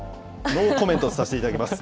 ノーコメントにさせていただきます。